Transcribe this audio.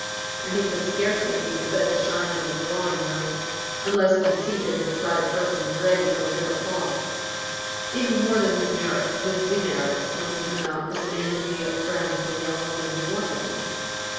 And he could scarcely be said to shine in a drawingroom, unless when seated beside a person ready for real talk. Even more than his merits, his demerits pointed him out as a man to be a friend to a young woman who wanted one.